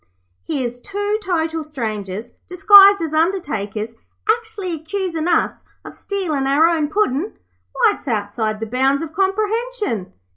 'Here's two total strangers, disguised as undertakers, actually accusin' us of stealin' our own Puddin'. Why, it's outside the bounds of comprehension!'